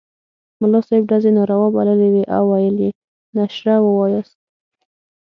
ملا صاحب ډزې ناروا بللې وې او ویل یې نشره ووایاست.